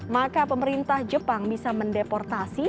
maka pemerintah jepang bisa mendeportasi